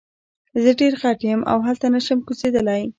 زه ډیر غټ یم او هلته نشم کوزیدلی.